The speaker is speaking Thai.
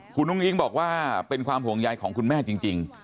คุณอุ้งอิ๊งบอกว่าเป็นความห่วงใยของคุณแม่จริง